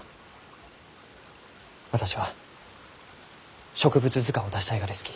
私は植物図鑑を出したいがですき。